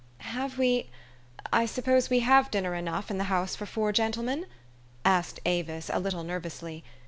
"Have we I suppose we have dinner enough in the house for four gentlemen?" asked Avis a little nervously.